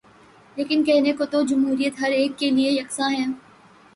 لیکن کہنے کو تو جمہوریت ہر ایک کیلئے یکساں ہے۔